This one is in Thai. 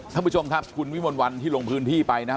ท่านผู้ชมครับคุณวิมลวันที่ลงพื้นที่ไปนะครับ